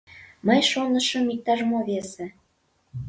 Мый шонышым, иктаж-мо весе.